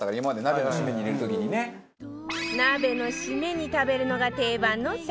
鍋のシメに食べるのが定番のサリ麺